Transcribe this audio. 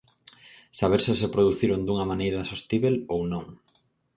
Saber se se produciron dunha maneira sostíbel ou non.